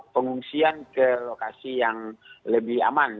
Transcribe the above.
pengungsian ke lokasi yang lebih aman